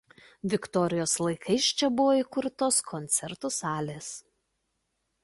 Viktorijos laikais čia buvo įkurtos koncertų salės.